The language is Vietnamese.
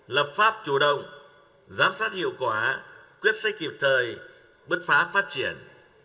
lập pháp chủ động giám sát hiệu quả quyết sách kịp thời bứt phá phát triển